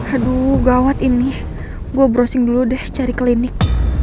aduh gawat ini gue browsing dulu deh cari klinik